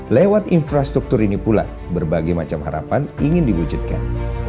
lewat infrastruktur ini pula berbagai macam harapan ingin diwujudkan